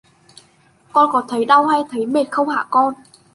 con có thấy đau hay là thấy mệt không hả con